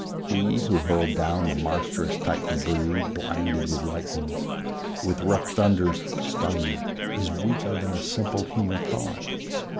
He who hurled down the monstrous Titan brood Blinded with lightnings, with rough thunders stunned, Is weaker than a simple human thought.